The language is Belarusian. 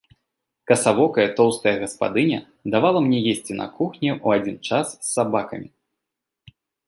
Касавокая тоўстая гаспадыня давала мне есці на кухні ў адзін час з сабакамі.